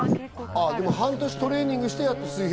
半年トレーニングして、やっと水平。